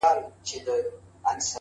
د خوار د ژوند كيسه ماته كړه.!